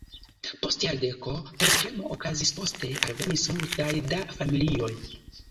Post jardeko tertremo okazis, poste alvenis multe da familioj.